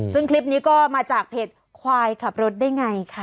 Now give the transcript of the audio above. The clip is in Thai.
ซึ่งคลิปนี้ก็มาจากเพจควายขับรถได้ไงค่ะ